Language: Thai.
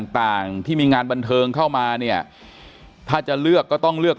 ต่างต่างที่มีงานบันเทิงเข้ามาเนี่ยถ้าจะเลือกก็ต้องเลือก